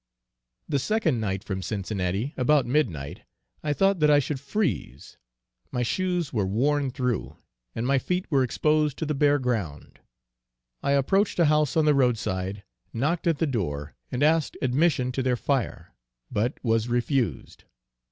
The second night from Cincinnati, about midnight, I thought that I should freeze; my shoes were worn through, and my feet were exposed to the bare ground. I approached a house on the road side, knocked at the door, and asked admission to their fire, but was refused.